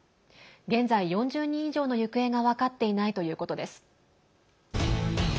現在４０人以上の行方が分かっていないということです。